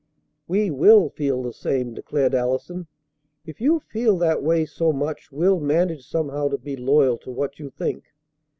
"We will feel the same!" declared Allison. "If you feel that way so much, we'll manage somehow to be loyal to what you think.